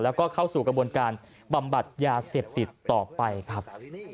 แล้วก็เข้าสู่กระบวนการบำบัดยาเสพติดต่อไปครับ